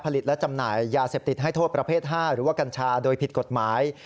และจำหน่ายยาเสพติดให้โทษประเภท๕หรือว่ากัญชาโดยผิดกฎหมาย